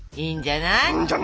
いいんじゃない。